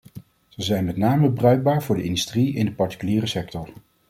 Ze zijn met name bruikbaar voor de industrie in de particuliere sector.